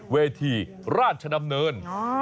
เวทีราชดำเนิน